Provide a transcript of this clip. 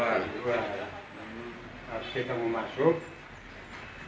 harus kita memasuk